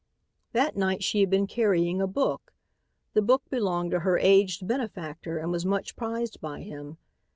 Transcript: That night she had been carrying a book. The book belonged to her aged benefactor and was much prized by him.